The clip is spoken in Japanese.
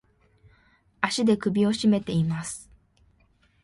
足で首をしめています。